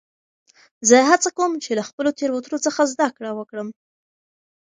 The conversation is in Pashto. زه هڅه کوم، چي له خپلو تیروتنو څخه زدکړم وکړم.